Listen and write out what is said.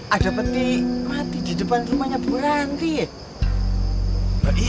ada peti mati di depan rumahnya beranti